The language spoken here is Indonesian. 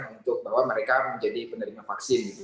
untuk bahwa mereka menjadi penerima vaksin